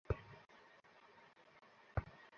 সকলের জ্ঞাতার্থে বলছি, আমি ভেতরে যাচ্ছি।